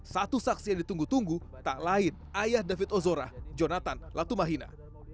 satu saksi yang ditunggu tunggu tak lain ayah david ozora jonathan latumahina